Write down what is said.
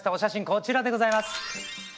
こちらでございます。